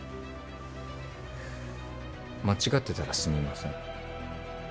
間違ってたらすみません。